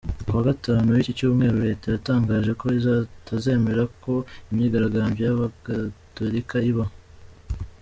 Kuwa Gatanu w’iki cyumweru Leta yatangaje ko itazemera ko imyigaragambyo y’abagatolika iba.